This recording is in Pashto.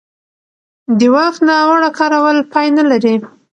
د واک ناوړه کارول پای نه لري